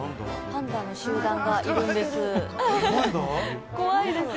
パンダの集団がいるんです。